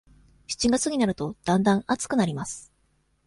七月になると、だんだん暑くなります。